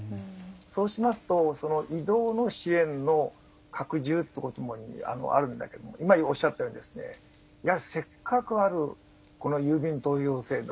そうしますと移動の支援の拡充ということもあるんだけれども今おっしゃったようにせっかくあるこの郵便投票制度